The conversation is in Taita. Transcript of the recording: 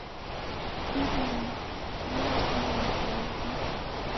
Idime nawesinda njala dii